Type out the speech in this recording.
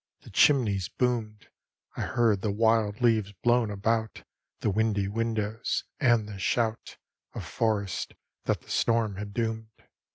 the chimneys boomed; I heard the wild leaves blown about The windy windows; and the shout Of forests that the storm had doomed.